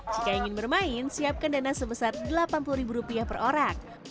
jika ingin bermain siapkan dana sebesar delapan puluh ribu rupiah per orang